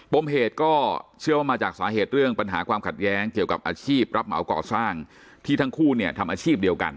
มเหตุก็เชื่อว่ามาจากสาเหตุเรื่องปัญหาความขัดแย้งเกี่ยวกับอาชีพรับเหมาก่อสร้างที่ทั้งคู่เนี่ยทำอาชีพเดียวกัน